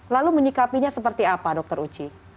lalu menyikapinya seperti apa dokter uci